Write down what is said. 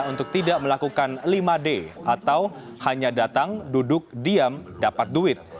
untuk tidak melakukan lima d atau hanya datang duduk diam dapat duit